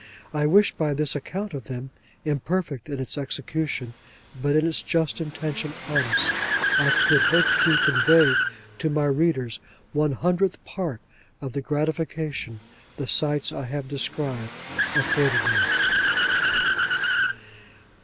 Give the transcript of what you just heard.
I wish by this account of them, imperfect in its execution, but in its just intention, honest, I could hope to convey to my readers one hundredth part of the gratification, the sights I have described, afforded me.